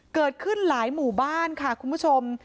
เกิดขึ้นหลายหมู่บ้านค่ะคุณผู้ชม